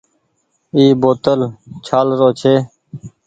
اي بوتل ڇآل رو ڇي۔